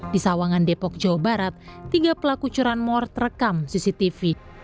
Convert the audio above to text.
di sawangan depok jawa barat tiga pelaku curanmor terekam cctv